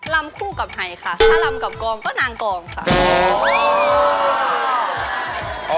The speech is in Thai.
ลำคู่กับไฮค่ะถ้าลำกับกองก็นางกองค่ะ